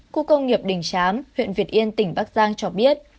khu công nghiệp đình chám huyện việt yên tỉnh bắc giang cho biết